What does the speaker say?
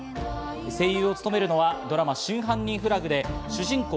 声優を務めるのはドラマ『真犯人フラグ』で主人公